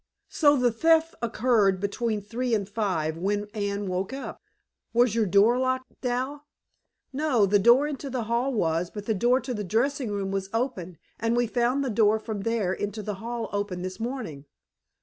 So the theft occurred between three and five, when Anne woke up. Was your door locked, Dal?" "No. The door into the hall was, but the door into the dressing room was open, and we found the door from there into the hall open this morning."